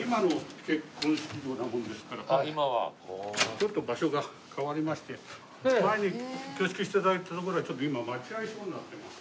ちょっと場所が変わりまして前に挙式して頂いた所は今待合所になっています。